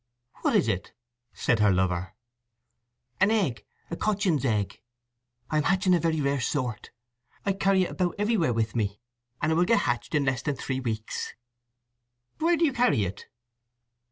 "What is it?" said her lover. "An egg—a cochin's egg. I am hatching a very rare sort. I carry it about everywhere with me, and it will get hatched in less than three weeks." "Where do you carry it?"